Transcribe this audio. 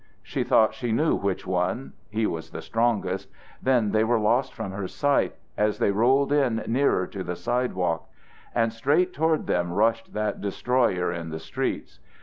She thought she knew which one, he was the strongest, then they were lost from her sight, as they rolled in nearer to the sidewalk. And straight toward them rushed that destroyer in the streets.